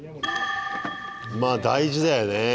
まあ大事だよね